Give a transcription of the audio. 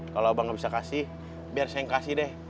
kalau abang nggak bisa kasih biar saya yang kasih deh